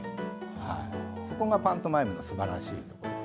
そこがパントマイムのすばらしいところです。